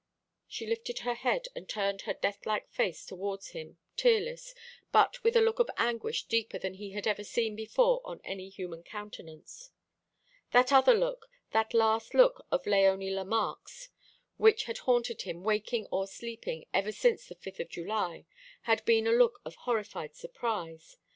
She lifted her head, and turned her deathlike face towards him, tearless, but with a look of anguish deeper than he had ever seen before on any human countenance. That other look, that last look of Léonie Lemarque's, which had haunted him waking or sleeping ever since the 5th of July, had been a look of horrified surprise.